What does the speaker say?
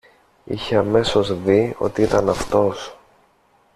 Είχε αμέσως δει ότι ήταν αυτός.